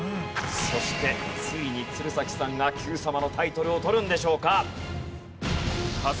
そしてついに鶴崎さんが『Ｑさま！！』のタイトルを取るんでしょうか？